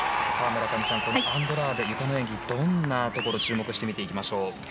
村上さん、アンドラーデのゆかの演技はどんなところに注目して見ていきましょう。